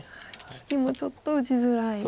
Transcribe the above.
引きもちょっと打ちづらい。